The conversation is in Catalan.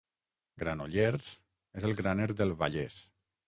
Granollers és el graner del Vallès.